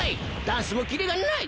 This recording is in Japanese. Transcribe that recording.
ダンスもキレがない！